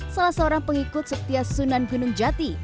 salah seorang pengikut setia sunan gunung jati